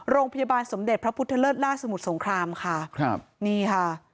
โรงพยาบาลสมเด็จพระพุทธเลิศล่าสมุทรสงครามค่ะครับนี่ค่ะ